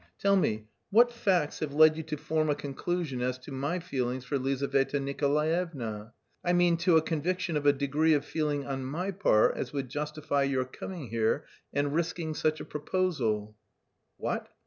Tell me, what facts have led you to form a conclusion as to my feelings for Lizaveta Nikolaevna? I mean to a conviction of a degree of feeling on my part as would justify your coming here... and risking such a proposal." "What?"